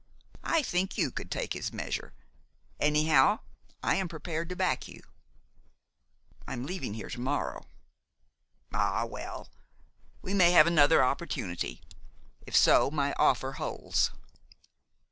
I think you could take his measure. Anyhow, I am prepared to back you." "I'm leaving here to morrow." "Ah, well, we may have another opportunity. If so, my offer holds."